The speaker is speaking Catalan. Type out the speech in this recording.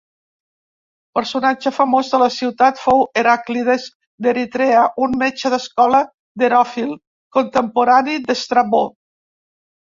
Personatge famós de la ciutat fou Heràclides d'Eritrea, un metge de l'escola d'Heròfil, contemporani d'Estrabó.